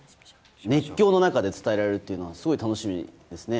熱狂の中で伝えられるというのはすごい楽しみですね。